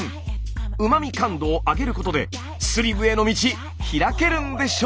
うま味感度を上げることでスリムへの道ひらけるんでしょうか？